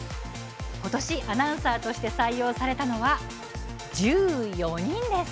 ことしアナウンサーとして採用されたのは１４人です。